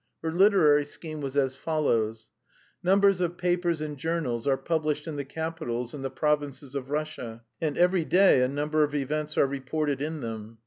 Her literary scheme was as follows. Numbers of papers and journals are published in the capitals and the provinces of Russia, and every day a number of events are reported in them.